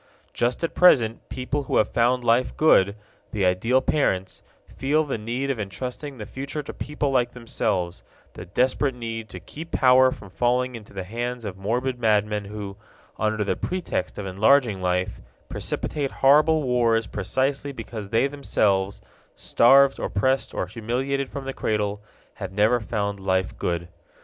Just at present people who have found life good, the ideal parents, feel the need of entrusting the future to people like themselves, the desperate need to keep power from falling into the hands of morbid madmen who, under the pretext of enlarging life, precipitate horrible wars precisely because they themselves, starved, oppressed, or humiliated from the cradle, have never found life good.